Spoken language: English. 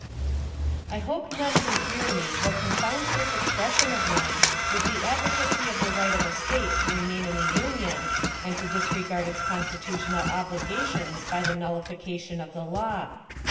"I hope none who hear me will confound this expression of mine with the advocacy of the right of a State to remain in the Union, and to disregard its constitutional obligations by the nullification of the law.